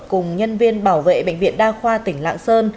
cùng nhân viên bảo vệ bệnh viện đa khoa tỉnh lạng sơn